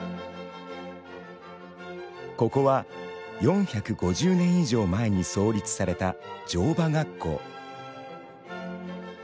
ここは４５０年以上前に創立された乗馬学校。